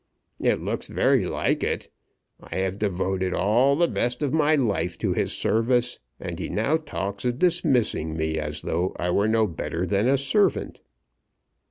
"It looks very like it. I have devoted all the best of my life to his service, and he now talks of dismissing me as though I were no better than a servant."